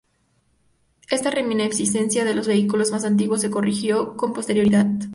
Esta reminiscencia de los vehículos más antiguos se corrigió con posterioridad.